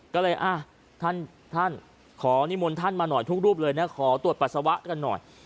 ก็เลยท่านขอนิมนต์ท่านมาหน่อยทุกรูปเลยนะขอตรวจปัสสาวะกันหน่อย